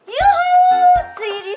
yuhuu sri di sini